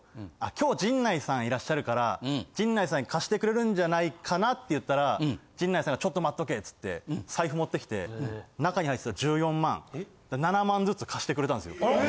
「今日陣内さんいらっしゃるから陣内さん貸してくれるんじゃないかな」って言ったら陣内さんが「ちょっと待っとけ」つって財布持ってきて中に入ってた１４万７万ずつ貸してくれたんです。